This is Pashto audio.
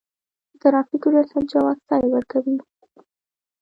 د ترافیکو ریاست جواز سیر ورکوي